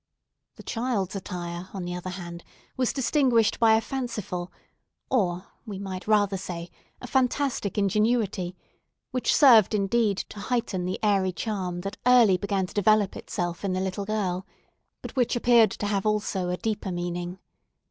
The child's attire, on the other hand, was distinguished by a fanciful, or, we may rather say, a fantastic ingenuity, which served, indeed, to heighten the airy charm that early began to develop itself in the little girl, but which appeared to have also a deeper meaning.